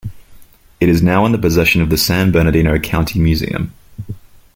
It is now in the possession of the San Bernardino County Museum.